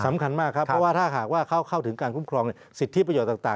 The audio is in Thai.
สำคัญมากครับเพราะว่าถ้าหากว่าเข้าถึงการคุ้มครองสิทธิประโยชน์ต่าง